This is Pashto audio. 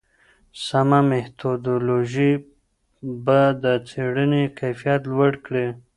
سمه میتودولوژي به د څېړني کیفیت لوړ کړي.